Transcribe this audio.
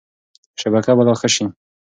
شبکه به لا ښه شي.